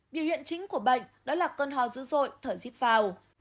điều hiện chính của bệnh đó là cơn hoa dữ dội thở dít vào